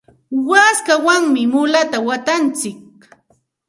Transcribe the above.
waskawanmi mulata watantsik.